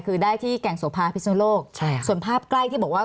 คือได้ที่แก่งโสภาพิศนุโลกใช่ค่ะส่วนภาพใกล้ที่บอกว่า